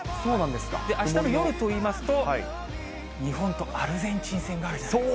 あしたの夜といいますと、日本とアルゼンチン戦があるじゃないですか。